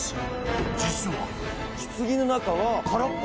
実は。